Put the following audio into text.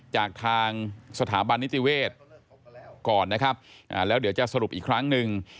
จากทางสถาบันนิติเวศก่อนนะครับแล้วเดี๋ยวจะสรุปอีกครั้งหนึ่ง